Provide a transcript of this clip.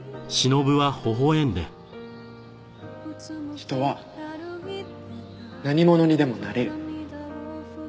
人は何者にでもなれる。